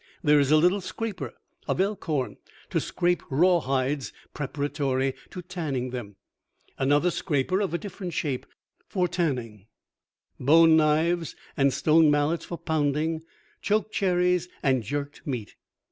There is a little scraper of elk horn to scrape raw hides preparatory to tanning them, another scraper of a different shape for tanning, bone knives, and stone mallets for pounding choke cherries and jerked meat.